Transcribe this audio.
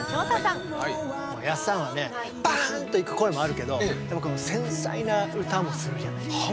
もうやっさんはねばんといく声もあるけどでもこの繊細な歌もするじゃないですか。